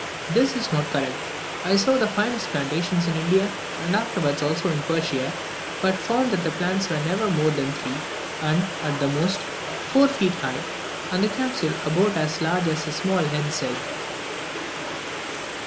This is not correct. I saw the finest plantations in India, and afterwards also in Persia, but found that the plants were never more than three, and, at the most, four feet high, and the capsule about as large round as a small hen's egg.